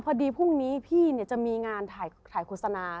พอดีพรุ่งนี้พี่จะมีงานถ่ายโฆษณา